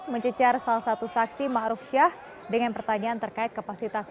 mencecar salah satu saksi ma'ruf syah dengan pertanyaan terkait kapasitas